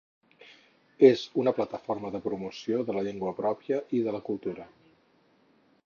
És una plataforma de promoció de la llengua pròpia i de la cultura.